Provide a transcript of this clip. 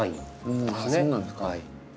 そうなんですか。